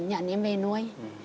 nhận em về nuôi